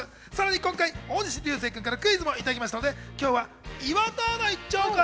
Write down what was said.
さらに今回、大西流星君からクイズもいただきましたので、今日は岩田アナ、行っちゃおうか。